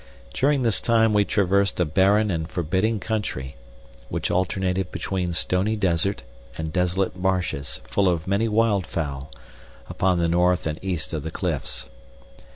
During this time we traversed a barren and forbidding country, which alternated between stony desert and desolate marshes full of many wild fowl, upon the north and east of the cliffs.